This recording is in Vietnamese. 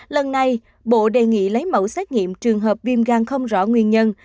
lần này bộ đề nghị lấy mẫu xét nghiệm trường hợp viêm gan không rõ nguyên nhân